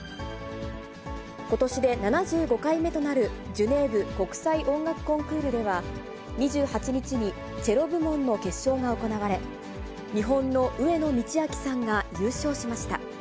ことしで７５回目となるジュネーブ国際音楽コンクールでは、２８日にチェロ部門の決勝が行われ、日本の上野通明さんが優勝しました。